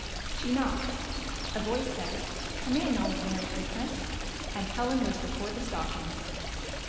She knocked; a voice said: "Come in, old Merry Christmas !" and Helen was before the stockings.